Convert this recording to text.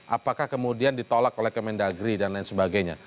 apakah kemudian ditolak oleh kementerian negeri dan lain sebagainya